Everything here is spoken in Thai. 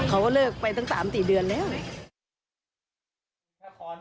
เขาเลิกไปตั้ง๓๔เดือนแล้ว